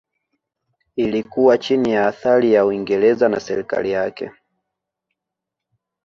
Ilikuwa chini ya athari ya Uingereza na serikali yake